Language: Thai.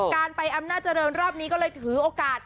การไปอำนาจริงรอบนี้ก็เลยถือโอกาส